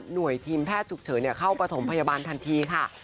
หน่วยทีมแพทย์ชุกเฉยเข้าประสงค์พยาบาลทันทีค่ะ